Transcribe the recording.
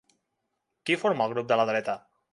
Qui forma el grup de la dreta?